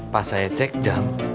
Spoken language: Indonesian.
pas saya cek jam